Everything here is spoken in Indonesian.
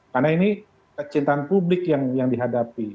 karena ini kecintaan publik yang dihadapi